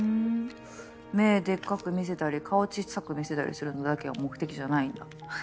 目でっかく見せたり顔ちっさく見せたりするのだけが目的じゃないんだ。